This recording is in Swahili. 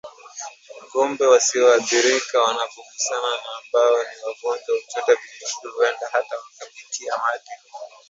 Ngombe wasioathirika wanapogusana na ambao ni wagonjwa huchota vijidudu huenda hata kupitia mate